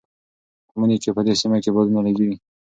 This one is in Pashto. په مني کې په دې سیمه کې بادونه لګېږي.